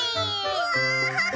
うわ！